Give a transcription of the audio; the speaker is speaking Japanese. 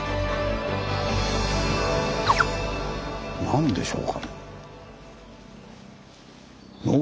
何でしょうかね。